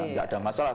tidak ada masalah